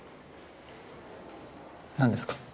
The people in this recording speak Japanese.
何ですか？